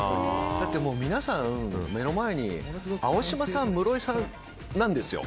だって皆さん、目の前に青島さん、室井さんなんですよ。